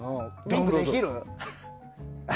ウィンクできる？